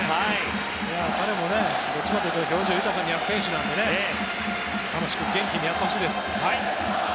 彼も、どっちかというと表情豊かにやる選手なので楽しく元気にやってほしいです。